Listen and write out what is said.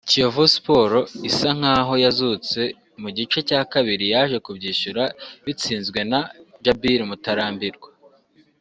Kiyovu Sports isa nkaho yazutse mu gice cya kabiri yaje kubyishyura bitsinzwe na Djabil Mutarambirwa